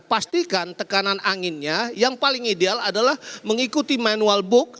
pastikan tekanan anginnya yang paling ideal adalah mengikuti manual book